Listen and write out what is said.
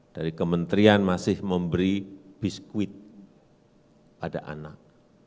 dari kementerian masih memberi biskuit pada anak